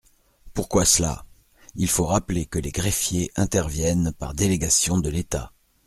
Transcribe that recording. Pourquoi cela ? Il faut rappeler que les greffiers interviennent par délégation de l’État.